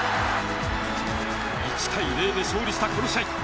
１対０で勝利したこの試合。